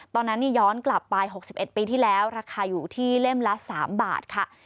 ตอนนั้นย้อนกลับไป๖๑ปีที่แล้วราคาอยู่ที่เล่มละ๓บาทค่ะ